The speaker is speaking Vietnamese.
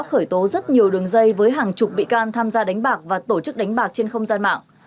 khởi tố rất nhiều đường dây với hàng chục bị can tham gia đánh bạc và tổ chức đánh bạc trên không gian mạng